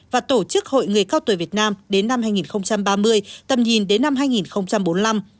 và tổ chức hội người cao tuổi việt nam đến năm hai nghìn ba mươi tầm nhìn đến năm hai nghìn bốn mươi năm